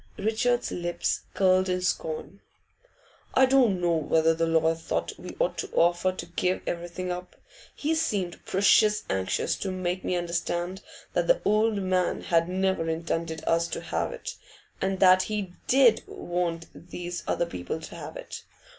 Richard's lips curled in scorn. 'I don't know whether the lawyer thought we ought to offer to give everything up; he seemed precious anxious to make me understand that the old man had never intended us to have it, and that he did want these other people to have it.